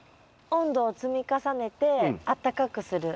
温度を積み重ねてあったかくする。